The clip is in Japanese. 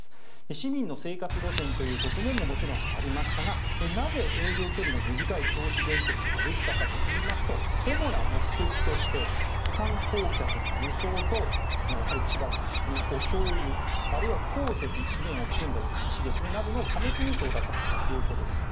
市民の生活路線という側面もありましたがなぜ営業距離の短い銚子電鉄ができたかといいますと主な目的として観光客の輸送とやはり千葉ですからおしょうゆあるいは資源を含んだ鉱石などの貨物輸送だったということです。